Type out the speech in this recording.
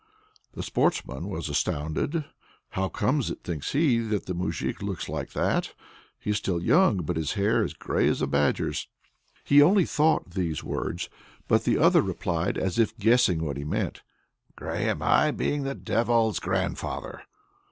The sportsman was astounded. "How comes it," thinks he, "that the moujik looks like that? he is still young; but his hair is grey as a badger's." He only thought these words, but the other replied, as if guessing what he meant: "Grey am I, being the devil's grandfather!"